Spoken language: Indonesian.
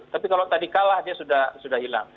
tapi kalau tadi kalah dia sudah hilang